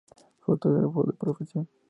Fotógrafo de profesión.